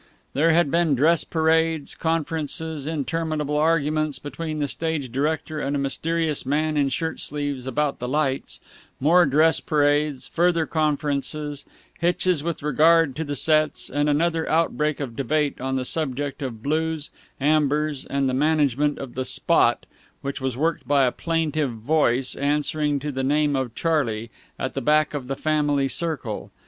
There had been dress parades, conferences, interminable arguments between the stage director and a mysterious man in shirt sleeves about the lights, more dress parades, further conferences, hitches with regard to the sets, and another outbreak of debate on the subject of blues, ambers, and the management of the "spot," which was worked by a plaintive voice, answering to the name of Charlie, at the back of the family circle.